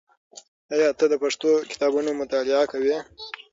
آیا ته د پښتو کتابونو مطالعه کوې؟